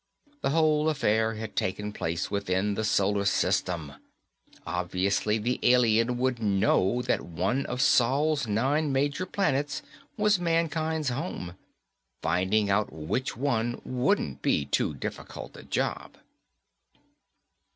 The whole affair had taken place within the solar system; obviously the alien would know that one of Sol's nine major planets was mankind's home. Finding out which one wouldn't be too difficult a job.